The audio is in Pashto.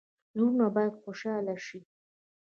زړونه باید خوشحاله شي